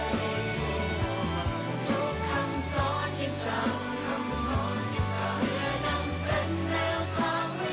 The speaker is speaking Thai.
ทุกคำซ้อนอย่างจำเพื่อนำเป็นแนวทางไว้ใช้